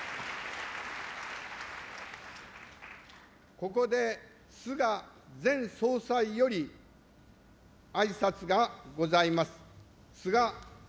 ここで菅前総裁より、あいさつがございます。